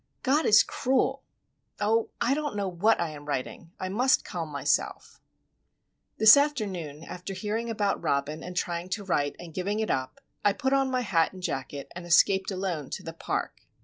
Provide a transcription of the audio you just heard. God is cruel!... Oh, I don't know what I am writing! I must calm myself. This afternoon, after hearing about Robin and trying to write, and giving it up, I put on my hat and jacket and escaped alone to the Park.